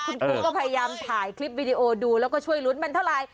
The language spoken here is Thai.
คุณครูก็พยายามถ่ายคลิปวิดีโอดูแล้วก็ช่วยลุ้นมันเท่าไหร่